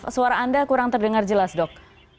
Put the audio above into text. suara anda kurang terdengar jelas dok